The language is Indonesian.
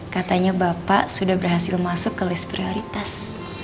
katanya bapak sudah berhasil masuk ke list prioritas